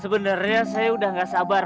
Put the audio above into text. sebenarnya saya udah gak sabar